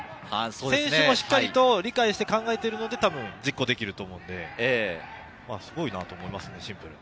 選手もしっかりと理解して考えてるので、たぶん実行できると思うので、すごいなと思います。